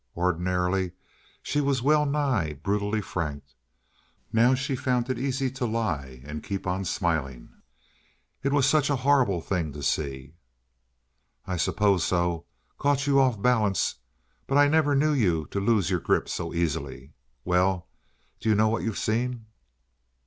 Ordinarily she was well nigh brutally frank. Now she found it easy to lie and keep on smiling. "It was such a horrible thing to see!" "I suppose so. Caught you off balance. But I never knew you to lose your grip so easily. Well, do you know what you've seen?"